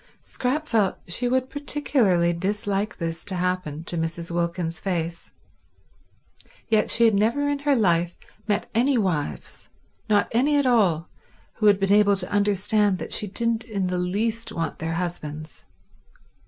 Scrap felt she would particularly dislike this to happen to Mrs. Wilkins's face, yet she had never in her life met any wives, not any at all, who had been able to understand that she didn't in the least want their husbands.